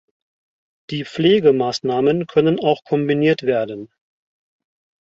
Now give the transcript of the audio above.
Die Pflegemaßnahmen können auch kombiniert werden.